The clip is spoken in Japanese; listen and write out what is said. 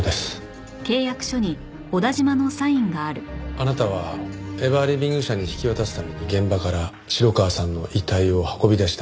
あなたはエバーリビング社に引き渡すために現場から城川さんの遺体を運び出した。